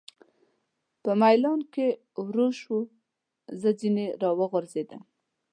په مېلان کې ورو شو، زه ځنې را وغورځېدم.